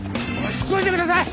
急いでください！